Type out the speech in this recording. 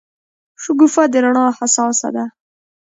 شګوفه د رڼا حساسه ده.